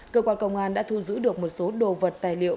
cơ quan công an đã thu giữ được một số đồ vật tài liệu